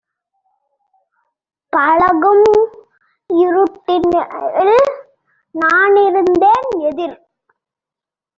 பழகும் இருட்டினில் நானிருந்தேன் எதிர்